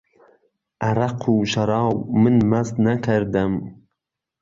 عهرهق و شهراو، من مهست نهکهردهم